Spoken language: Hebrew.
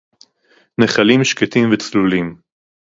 נְחָלִים שְׁקֵטִים וּצְלוּלִים